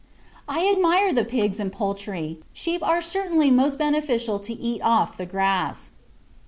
I admire the pigs and poultry. Sheep are certainly most beneficial to eat off the grass.